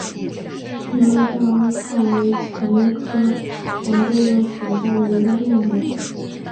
裂萼大乌泡为蔷薇科悬钩子属下的一个变种。